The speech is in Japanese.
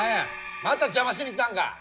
また邪魔しに来たんか！？